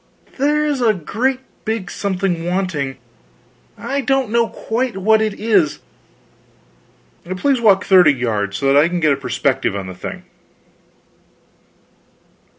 _ There is a great big something wanting, I don't quite know what it is. Please walk thirty yards, so that I can get a perspective on the thing....